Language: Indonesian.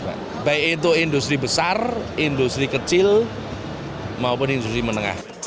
baik itu industri besar industri kecil maupun industri menengah